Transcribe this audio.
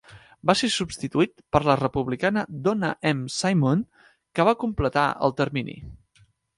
Va ser substituït per la republicana Donna M. Simon, que va completar el termini.